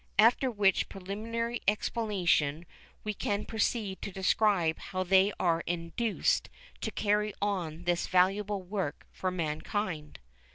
After which preliminary explanation we can proceed to describe how they are induced to carry on this valuable work for mankind.